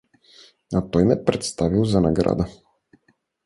А той ме представил за награда!